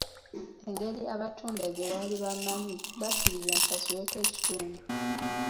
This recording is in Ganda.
Engeri abatunda gye baali bammanyi, bakkiriza nsasuleko ekitundu.